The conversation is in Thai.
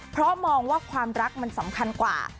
เพราะมองว่าความรักมันสำคัญกว่า